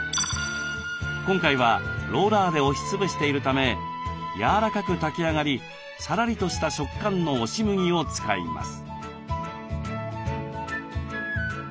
今回はローラーで押し潰しているためやわらかく炊き上がりさらりとした食感の押し麦を使います。